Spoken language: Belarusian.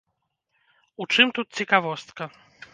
У чым тут цікавостка?